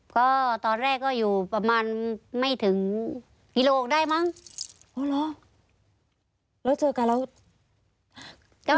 ก็ตอนแรกก็อยู่ประมาณไม่ถึงกิโลได้มั้งอ๋อเหรอแล้วเจอกับเรา